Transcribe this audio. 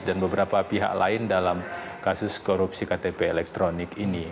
beberapa pihak lain dalam kasus korupsi ktp elektronik ini